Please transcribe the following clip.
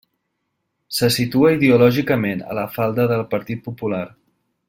Se situa ideològicament a la falda del Partit Popular.